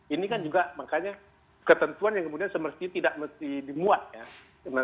ini kan juga makanya ketentuan yang kemudian semestinya tidak mesti dimuat ya